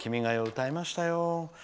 歌いましたよ。